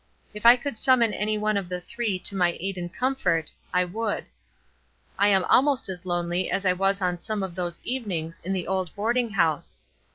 If I could summon any one of the three to my aid and comfort I would. I am almost as lonely as I was on some of those evenings in the old boarding house.